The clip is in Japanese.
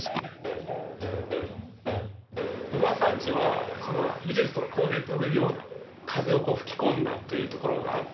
小川三知は美術とか工芸って呼べるような風を吹き込んだというところがあって。